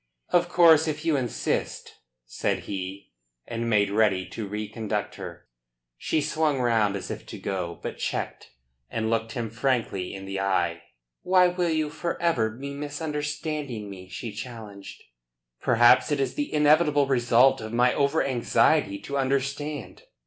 "Of course if you insist," said he, and made ready to reconduct her. She swung round as if to go, but checked, and looked him frankly in the eyes. "Why will you for ever be misunderstanding me?" she challenged him. "Perhaps it is the inevitable result of my overanxiety to understand."